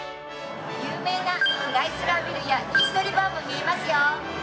有名なクライスラービルやイーストリバーも見えますよ。